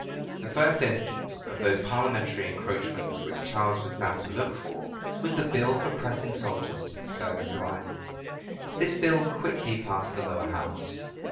The first instance of those parliamentary encroachments which Charles was now to look for, was the bill for pressing soldiers to the service of Ireland. This bill quickly passed the lower house.